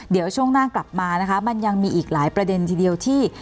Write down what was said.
เดี๋ยวช่วงหน้ากลับมานะคะมันยังมีอีกหลายประเด็นทีเดียวที่